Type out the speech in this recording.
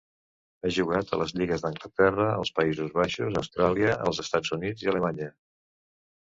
Ha jugat a les lligues d'Anglaterra, els Països Baixos, Austràlia, els Estats Units i Alemanya.